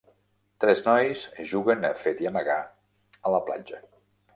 Tres nois juguen a fet i amagar a la platja.